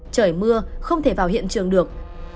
trời mưa không thể vào hiện trường được